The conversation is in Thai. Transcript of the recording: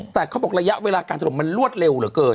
แต่เขาบอกระยะเวลาการถล่มมันรวดเร็วเหลือเกิน